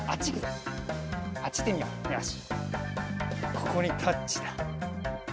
ここにタッチだ。